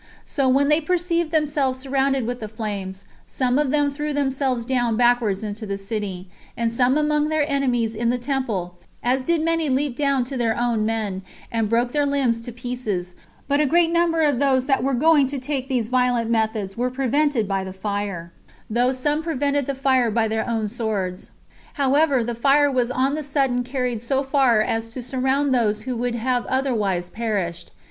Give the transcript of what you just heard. So when they perceived themselves surrounded with the flames, some of them threw themselves down backwards into the city, and some among their enemies [in the temple]; as did many leap down to their own men, and broke their limbs to pieces; but a great number of those that were going to take these violent methods were prevented by the fire; though some prevented the fire by their own swords. However, the fire was on the sudden carried so far as to surround those who would have otherwise perished.